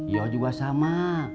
yoh juga sama